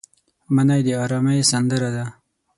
منی د ارامۍ سندره ده